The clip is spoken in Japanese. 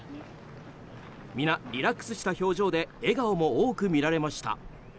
皆リラックスした表情で笑顔も多く見られました。